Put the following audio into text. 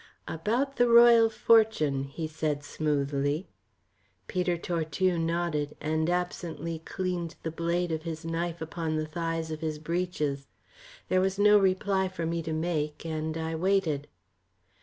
"About the Royal Fortune?" he said smoothly. Peter Tortue nodded, and absently cleaned the blade of his knife upon the thighs of his breeches. There was no reply for me to make, and I waited.